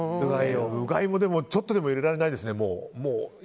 うがいもでも、ちょっとでも入れられないですね。